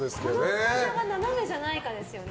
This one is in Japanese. このスタジオが斜めじゃないかですよね。